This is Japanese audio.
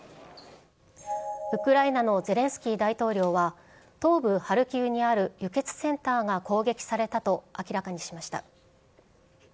ウクライナのゼレンスキー大統領は、東部ハルキウにある輸血センターが攻撃されたと明らかにしました。